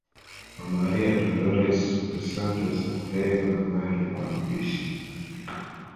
Wa Maria Dolores dos Santos Aveiro ambaye alikuwa mpishi